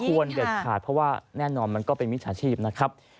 เด็ดขาดเพราะว่าแน่นอนมันก็เป็นมิจฉาชีพนะครับ